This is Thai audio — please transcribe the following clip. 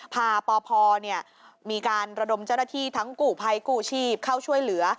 พาปพมีการระดมเจ้าหน้าที่ทั้งกู้ภัยกู้ชีพเข้าช่วยเหลือ